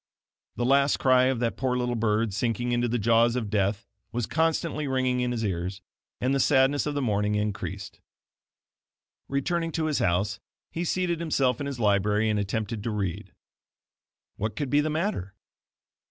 The last cry of that poor little bird sinking into the jaws of death was constantly ringing in his ears, and the sadness of the morning increased. Returning to his house, he seated himself in his library and attempted to read. What could be the matter?